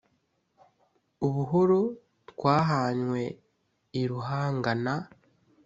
ubuhoro twahanywe i ruhanga na